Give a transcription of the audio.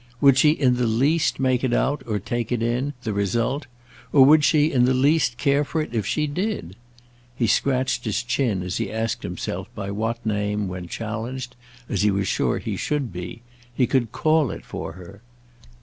Would she in the least make it out or take it in, the result, or would she in the least care for it if she did? He scratched his chin as he asked himself by what name, when challenged—as he was sure he should be—he could call it for her.